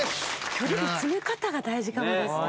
距離の詰め方が大事かもですね